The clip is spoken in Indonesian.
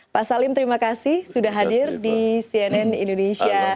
pak salim terima kasih sudah hadir di cnn indonesia